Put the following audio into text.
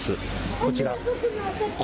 こちら。